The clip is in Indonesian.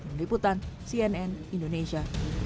meliputan cnn indonesia